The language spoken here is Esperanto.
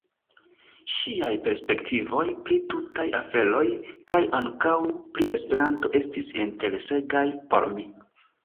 Ŝiaj perspektivoj pri tutaj aferoj, kaj ankaŭ pri Esperanto, estis interesegaj por mi.